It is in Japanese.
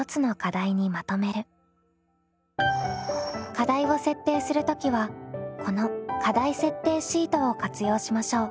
課題を設定する時はこの課題設定シートを活用しましょう。